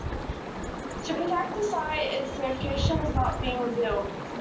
To protect the site its location is not being revealed.